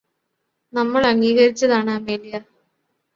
നമ്മള് അംഗീകരിച്ചതാണ് അമേലിയ